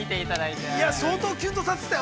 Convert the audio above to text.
◆相当きゅんとさせてたよ。